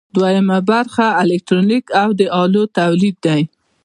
دوهم برخه الکترونیک او د الو تولید دی.